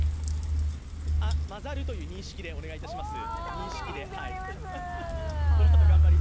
まざるという認識でお願いします。